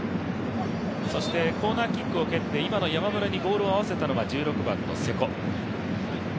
コーナーキックを蹴って今の山村にボールを合わせたのが１６番の瀬古。